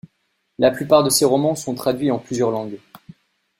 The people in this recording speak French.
La plupart de ses romans sont traduits en plusieurs langues.